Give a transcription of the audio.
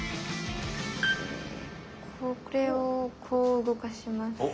これをこう動かします。